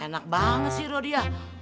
enak banget sih rodia